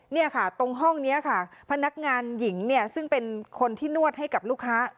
เนี่ยค่ะตรงห้องนี้ค่ะพนักงานหญิงเนี่ยซึ่งเป็นคนที่นวดให้กับลูกค้า